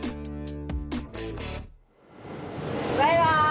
バイバーイ！